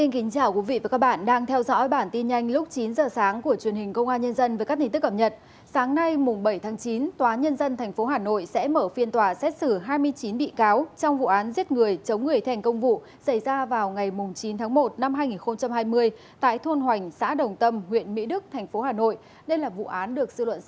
hãy đăng ký kênh để ủng hộ kênh của chúng mình nhé